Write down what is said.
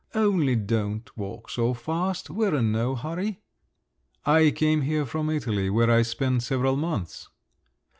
Only don't walk so fast, we're in no hurry." "I came here from Italy, where I spent several months."